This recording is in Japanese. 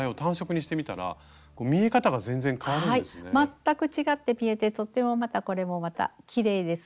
全く違って見えてとってもまたこれもまたきれいです。